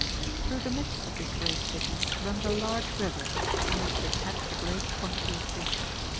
Through the midst of this great city runs a large river, in which they catch a great quantity of fish.